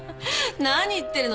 何言ってるの？